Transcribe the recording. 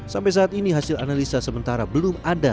sampai saat ini hasil analisa sementara belum ada